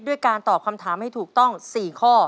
การตอบคำถามให้ถูกต้อง๔ข้อ